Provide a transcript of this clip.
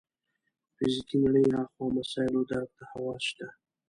فزیکي نړۍ هاخوا مسایلو درک ته حواس شته.